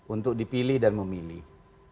untuk dipilih dan memilih